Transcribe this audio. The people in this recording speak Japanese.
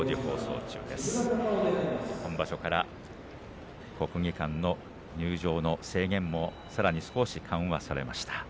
今場所から国技館の入場の制限もさらに少し緩和されました。